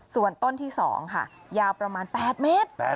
ส่วนต้นที่๒ค่ะยาวประมาณ๘เมตร